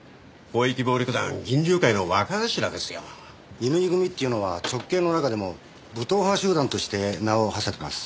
伊縫組っていうのは直系の中でも武闘派集団として名を馳せてます。